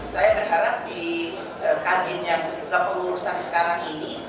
saya berharap di kadin yang membuka pengurusan sekarang ini